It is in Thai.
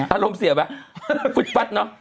อารมณ์เสียไปฟุดฟัดเนาะ